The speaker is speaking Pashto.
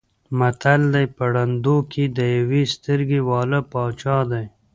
متل دی: په ړندو کې د یوې سترګې واله باچا دی.